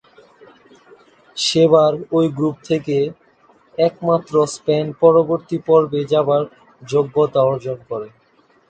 সেবার ঐ গ্রুপ থেকে একমাত্র স্পেন পরবর্তী পর্বে যাবার যোগ্যতা অর্জন করে।